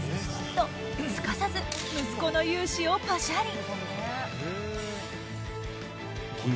と、すかさず息子の雄姿をパシャリ。